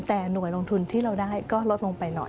แต่หน่วยลงทุนที่เราได้ก็ลดลงไปหน่อย